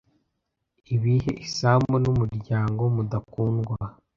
ibihe isambu n'umuryango mubakundwa